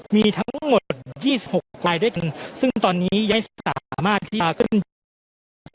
มีทั้งหมดยี่สิบหกรายด้วยกันซึ่งตอนนี้ยังไม่สามารถที่จะ